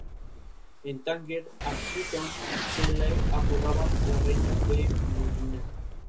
¿que ustedes no partieran?